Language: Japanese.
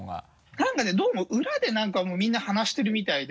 何かねどうもウラで何かもうみんな話してるみたいで。